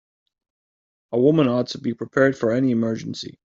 A woman ought to be prepared for any emergency.